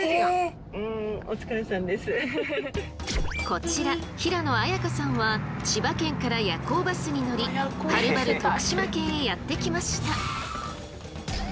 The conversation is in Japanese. こちら平野綾佳さんは千葉県から夜行バスに乗りはるばる徳島県へやって来ました。